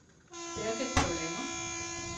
Té aquest problema?